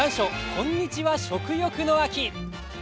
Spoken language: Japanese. こんにちは食欲の秋！」。